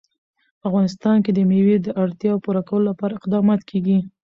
په افغانستان کې د مېوې د اړتیاوو پوره کولو لپاره اقدامات کېږي.